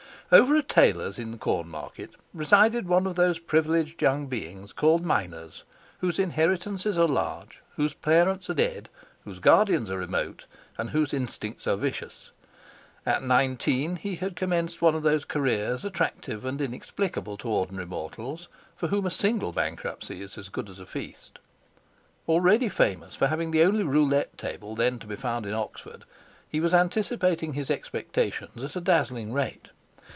Over a tailor's in the Cornmarket resided one of those privileged young beings called minors, whose inheritances are large, whose parents are dead, whose guardians are remote, and whose instincts are vicious. At nineteen he had commenced one of those careers attractive and inexplicable to ordinary mortals for whom a single bankruptcy is good as a feast. Already famous for having the only roulette table then to be found in Oxford, he was anticipating his expectations at a dazzling rate.